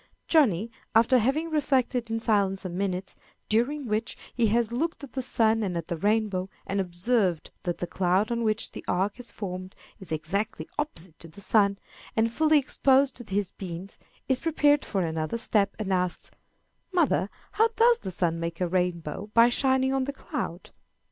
Johnny, after having reflected in silence some minutes, during which he has looked at the sun and at the rainbow, and observed that the cloud on which the arch is formed is exactly opposite to the sun, and fully exposed to his beams, is prepared for another step, and asks, "Mother, how does the sun make a rainbow by shining on the cloud?"